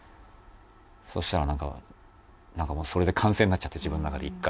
そしたらなんかもうそれで完成になっちゃって自分の中で１回。